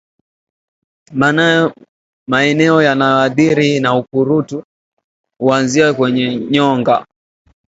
Maeneo yanayoathirika na ukurutu huanzia kwenye nyonga